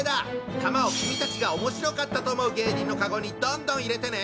玉を君たちが面白かったと思う芸人のカゴにどんどん入れてね！